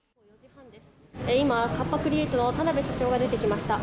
今、カッパ・クリエイトの田邊社長が出てきました。